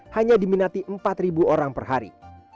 hanya diminati empat orang per hari